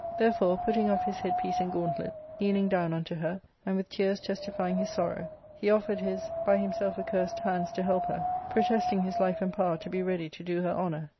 Therefore, putting off his headpiece and gauntlet, kneeling down unto her, and with tears testifying his sorrow, he offered his, by himself accursed, hands to help her, protesting his life and power to be ready to do her honour.